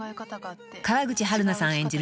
［川口春奈さん演じる